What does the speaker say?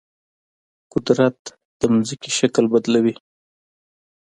قدرت د ځمکې شکل بدلوي.